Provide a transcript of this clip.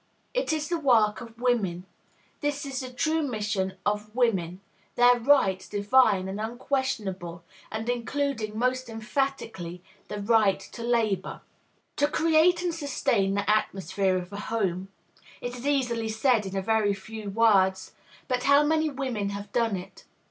It is the work of women; this is the true mission of women, their "right" divine and unquestionable, and including most emphatically the "right to labor." To create and sustain the atmosphere of a home, it is easily said in a very few words; but how many women have done it?